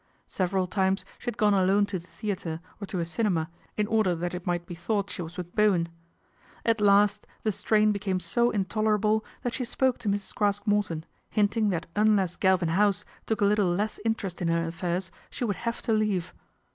Several times she had gone alone to the theatre, or to a cinema, in order that it might be thought she was with Bowen. At last the strain became so intoler able that she spoke to Mrs. Craske Morton, hinting that unless Galvin House took a little less interest in her affairs, she would have to leave.